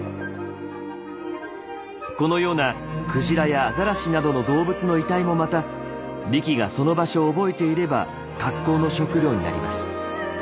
このようなクジラやアザラシなどの動物の遺体もまたリキがその場所を覚えていれば格好の食料になります。